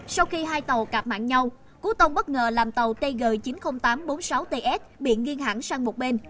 sau khi hai tàu cạp mạng nhau cú tông bất ngờ làm tàu tg chín mươi nghìn tám trăm bốn mươi sáu ts bị nghiêng hẳn sang một bên